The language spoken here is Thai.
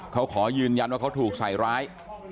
เขาขอยืนยันว่าเขาถูกใส่ร้าย